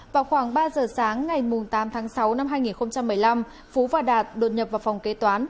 vào khoảng ba giờ sáng ngày tám tháng sáu năm hai nghìn một mươi năm phú và đạt đột nhập vào phòng kế toán